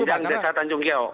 sepanjang desa tanjung kio